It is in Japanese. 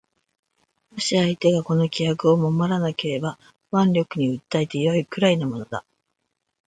もし相手がこの規約を守らなければ腕力に訴えて善いくらいのものだ